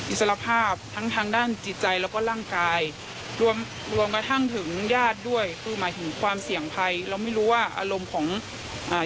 อิสรภาพทั้งทางด้านจิตใจแล้วก็ร่างกายรวมรวมกระทั่งถึงญาติด้วยคือหมายถึงความเสี่ยงภัยเราไม่รู้ว่าอารมณ์ของอ่า